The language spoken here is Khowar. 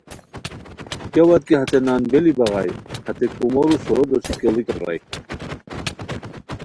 کیاوت کی ہتے نان بیلی بغائے ہتے کومورو سورو دوسی کیڑیکا پرائے